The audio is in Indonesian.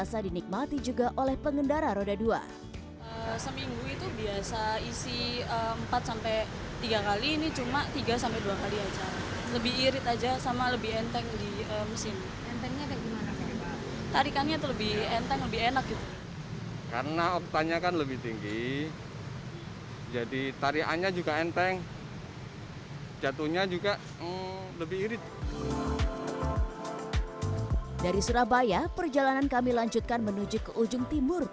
semuanya aman lancar